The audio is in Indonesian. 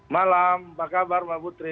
malam apa kabar mbak putri